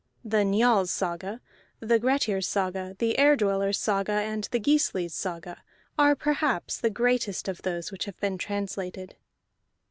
The Njal's Saga, the Grettir's Saga, the Ere Dwellers' Saga, and the Gisli's Saga are perhaps the greatest of those which have been translated.